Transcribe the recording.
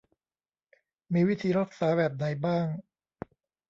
มีวิธีรักษาแบบไหนบ้าง